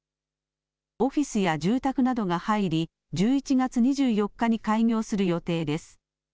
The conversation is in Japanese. オフィスや住宅などが入り、１１月２４日に開業する予定です。